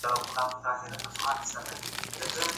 لکه سلګۍ درته راغلی یم پایل نه یمه